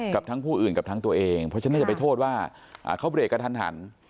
กับทั้งผู้อื่นกับทั้งตัวเองเพราะฉะนั้นน่าจะไปโทษว่าเขาเบรกกระทัน